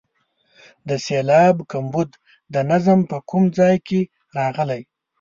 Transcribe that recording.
د سېلاب کمبود د نظم په کوم ځای کې راغلی.